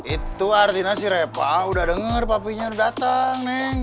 itu artinya si repa udah dengar papinya udah datang nih